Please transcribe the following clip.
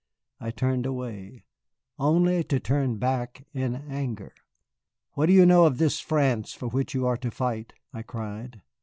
I turned away, only to turn back in anger. "What do you know of this France for which you are to fight?" I cried.